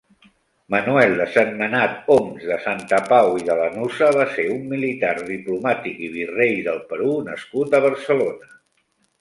Manuel de Sentmenat-Oms de Santa Pau i de Lanuza va ser un militar, diplomàtic i virrei del Perú nascut a Barcelona.